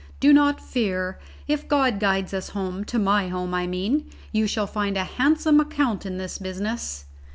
Do not fear: if God guides us home to my home, I mean you shall find a handsome account in this business."